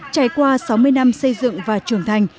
trải qua sáu mươi năm xây dựng và trưởng thành